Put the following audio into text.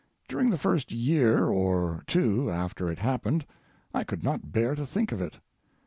During the first year or, two after it happened, I could not bear to think of it.